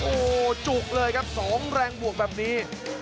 โอ้โหจุกเลยครับ๒แรงบวกแบบนี้